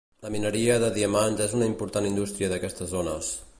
La mineria de diamants és una important indústria d'aquestes zones.